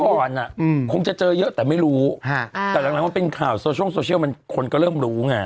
ก่อนอ่ะคงจะเจอเยอะแต่ไม่รู้แต่หลังมันเป็นข่าวโซช่องโซเชียลมันคนก็เริ่มรู้ไง